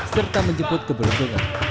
serta menjemput keberuntungan